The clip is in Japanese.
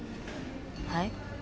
はい？